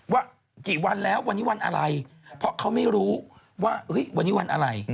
ว่ากี่วันแล้ววันนี้วันอะไรเพราะเขาไม่รู้ว่าวันนี้วันอะไร